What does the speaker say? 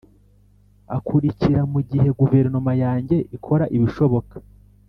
akurikira: «mu gihe guverinoma yanjye ikora ibishoboka